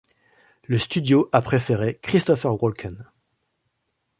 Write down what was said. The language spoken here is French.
Le studio a préféré Christopher Walken.